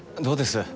どうです？